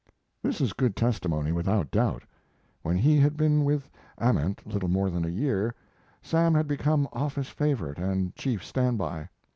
This is good testimony, without doubt. When he had been with Ament little more than a year Sam had become office favorite and chief standby.